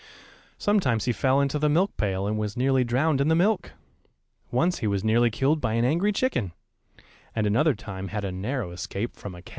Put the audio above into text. Sometimes he fell into the milk pail and was nearly drowned in the milk; once he was nearly killed by an angry chicken, and another time had a narrow escape from a cat.